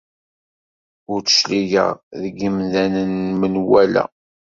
Ur d-cligeɣ seg yemdanen n menwala.